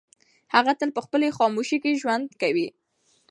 هغه تل په خپلې خاموشۍ کې ژوند کوي.